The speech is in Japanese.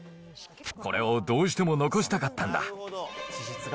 これをどうしても残したかったんだ。